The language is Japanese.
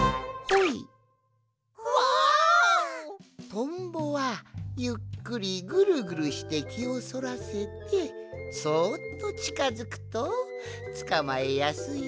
トンボはゆっくりぐるぐるしてきをそらせてそっとちかづくとつかまえやすいぞい。